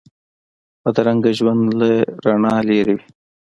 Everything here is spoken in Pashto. بدرنګه ژوند له رڼا لرې وي